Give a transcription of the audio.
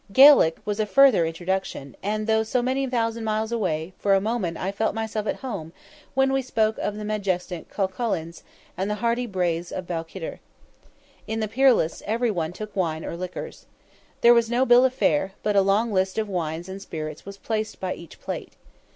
Gaelic was a further introduction; and though so many thousand miles away, for a moment I felt myself at home when we spoke of the majestic Cuchullins and the heathery braes of Balquidder. In the Peerless every one took wine or liqueurs. There was no bill of fare, but a long list of wines and spirits was placed by each plate.